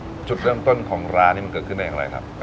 จุดเริ่มต้นของร้านนี้มันเกิดขึ้นได้อย่างไรครับ